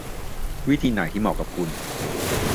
วิธีไหนที่เหมาะกับคุณ